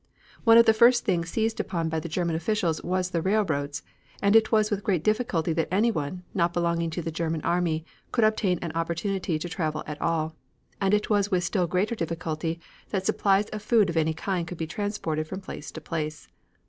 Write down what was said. One of the first things seized upon by the German officials was the railroads, and it was with great difficulty that anyone, not belonging to the German army, could obtain an opportunity to travel at all, and it was with still greater difficulty that supplies of food of any kind could be transported from place to place.